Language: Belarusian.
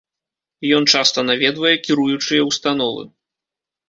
Ён часта наведвае кіруючыя ўстановы.